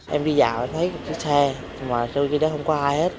em đi dạo em thấy một chiếc xe mà trong khi đó không có ai hết